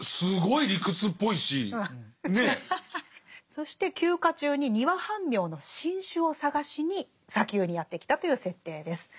そして休暇中にニワハンミョウの新種を探しに砂丘にやって来たという設定です。